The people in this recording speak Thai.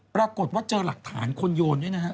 ปรากฏว่าเจอหลักฐานคนโยนด้วยนะฮะ